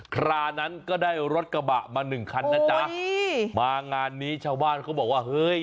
ครานั้นก็ได้รถกระบะมาหนึ่งคันนะจ๊ะมางานนี้ชาวบ้านเขาบอกว่าเฮ้ย